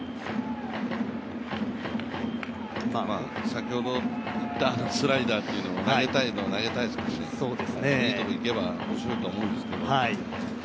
先ほど打ったスライダーというのも投げたいのは投げたいですよね、いいところにいけば面白いと思うんですけど。